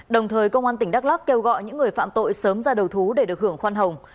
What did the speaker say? đồng thời công an tỉnh đắk lắc kêu gọi những người phạm tội sớm ra đầu thú để được hưởng khoan hồng